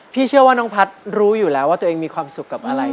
เชื่อว่าน้องพัฒน์รู้อยู่แล้วว่าตัวเองมีความสุขกับอะไร